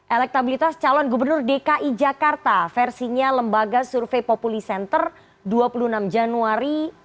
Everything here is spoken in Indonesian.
elektabilitas calon gubernur dki jakarta versinya lembaga survei populi center dua puluh enam januari dua ribu dua puluh